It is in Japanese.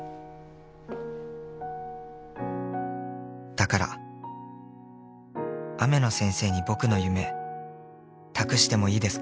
「だから雨野先生に僕の夢託してもいいですか？」